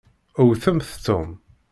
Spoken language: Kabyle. Wwtemt Tom.